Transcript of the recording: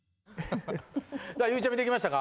さあゆうちゃみ出来ましたか？